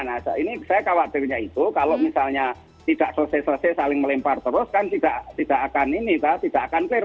nah ini saya khawatirnya itu kalau misalnya tidak selesai selesai saling melempar terus kan tidak akan ini tidak akan clear